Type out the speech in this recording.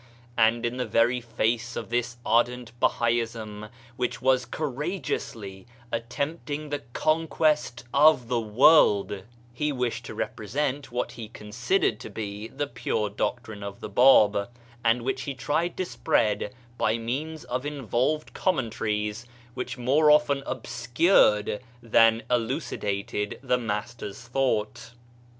And in the very face of this ardent Bahaism which was courageously attempt ing the conquest of the world, he wished to represent what he considered to be the pure doctrine of the Bab, and which he tried to spread by means of involved commentaries which more often obscured than elucidated the Master's thought.